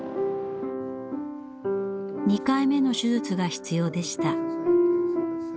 ２回目の手術が必要でした。